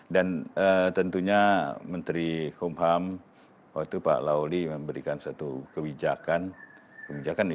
dan tentunya menteri kumham waktu pak lauli memberikan satu kebijakan